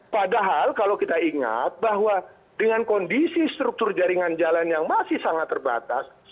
padahal kalau kita ingat bahwa dengan kondisi struktur jaringan jalan yang masih sangat terbatas